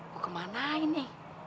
gue kemana ini